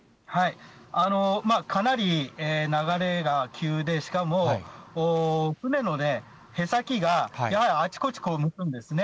かなり流れが急で、しかも船の舳先がやはりあちこち向くんですね。